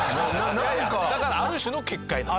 だからある種の結界なの。